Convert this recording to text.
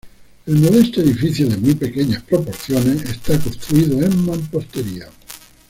El modesto edificio de muy pequeñas proporciones, está construido en mampostería.